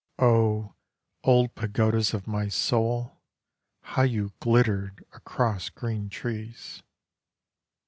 Oh, old pagodas of my soul, how you glittered across green trees!